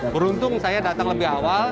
beruntung saya datang lebih awal